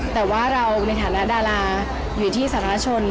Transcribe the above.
แต่ว่าเราในฐานะดาราอยู่ที่สาธารณชน